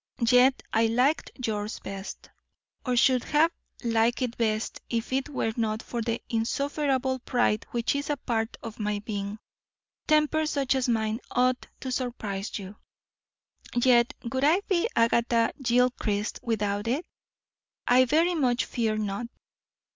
Yet I liked yours best, or should have liked it best if it were not for the insufferable pride which is a part of my being. Temper such as mine OUGHT to surprise you, yet would I be Agatha Gilchrist without it? I very much fear not.